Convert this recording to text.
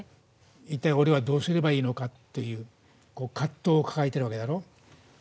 一体、俺はどうすればいいのかっていう葛藤を抱えているわけだろ。